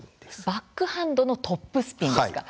バックハンドのトップスピンですか？